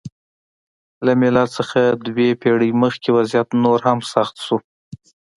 له میلاد څخه دوه پېړۍ مخکې وضعیت نور هم سخت شو.